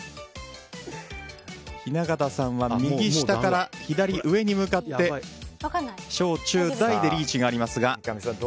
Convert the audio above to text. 雛形さんは右下から左上に向かって小・中・大でリーチがありますが。